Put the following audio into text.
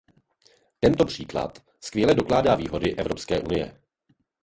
Tento příklad skvěle dokládá výhody Evropské unie.